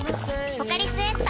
「ポカリスエット」